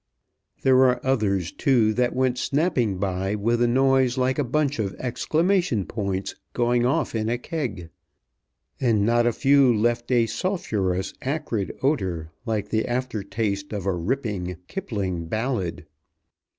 There were others, too, that went snapping by with a noise like a bunch of exclamation points going off in a keg. And not a few left a sulphurous, acrid odor, like the after taste of a ripping Kipling ballad.